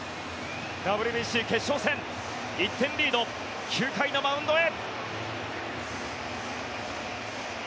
ＷＢＣ決勝戦１点リード、９回のマウンドへ。